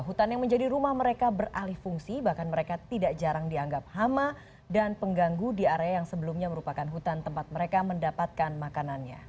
hutan yang menjadi rumah mereka beralih fungsi bahkan mereka tidak jarang dianggap hama dan pengganggu di area yang sebelumnya merupakan hutan tempat mereka mendapatkan makanannya